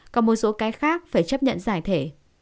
còn một số cái khác phải chấp nhận giải thể